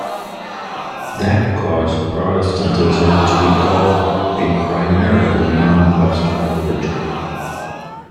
That caused Protestantism to be called a primarily non-Western religion.